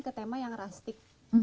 ke tema yang rustic